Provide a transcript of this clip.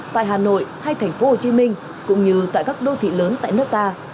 tại hà nội hay thành phố hồ chí minh cũng như tại các đô thị lớn tại nước ta